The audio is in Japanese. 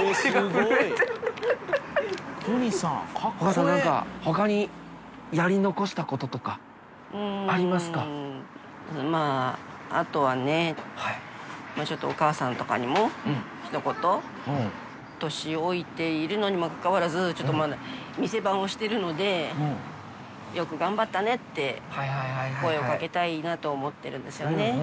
お母さん、なんかほかにやりまあ、あとはね、ちょっとお母さんとかにもひと言、年老いているのにもかかわらず、ちょっとまだ店番をしてるので、よく頑張ったねって、声をかけたいなと思ってるんですよね。